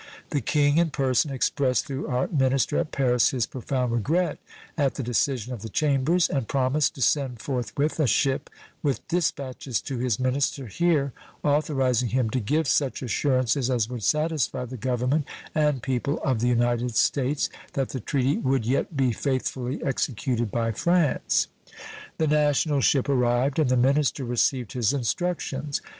The King in person expressed through our minister at Paris his profound regret at the decision of the Chambers, and promised to send forthwith a ship with dispatches to his minister here authorizing him to give such assurances as would satisfy the Government and people of the United States that the treaty would yet be faithfully executed by France. The national ship arrived, and the minister received his instructions.